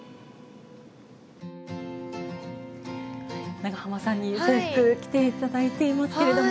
長濱さんに制服着ていただいていますけれども。